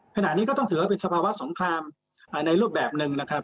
ขณะนี้ก็ต้องถือว่าเป็นสภาวะสงครามในรูปแบบหนึ่งนะครับ